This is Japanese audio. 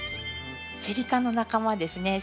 セリ科の仲間ですね。